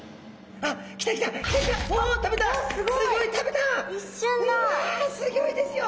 わあすギョいですよ。